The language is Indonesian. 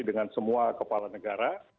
dan semua kepala negara